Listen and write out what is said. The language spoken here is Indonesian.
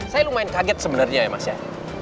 saya lumayan kaget sebenarnya ya mas ya